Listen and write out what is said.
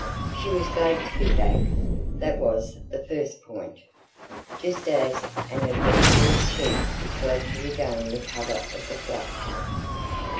She was glad to be back that was the first point: just as an adventurous sheep is glad to regain the cover of the flock.